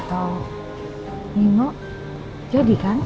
lho ise pengen udah abritt kan